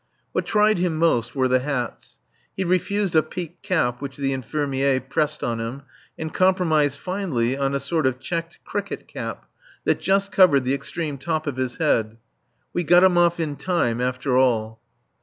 What tried him most were the hats. He refused a peaked cap which the infirmier pressed on him, and compromised finally on a sort of checked cricket cap that just covered the extreme top of his head. We got him off in time, after all.